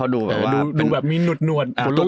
ดูแบบมีหนวด